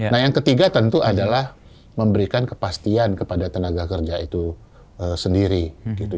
nah yang ketiga tentu adalah memberikan kepastian kepada tenaga kerja itu sendiri gitu